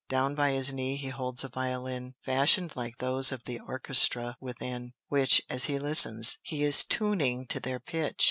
Down by his knee he holds a violin, fashioned like those of the orchestra within; which, as he listens, he is tuning to their pitch.